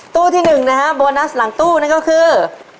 ตู้ที่หนึ่งนะครับโบนัสหลังตู้นะก็คือ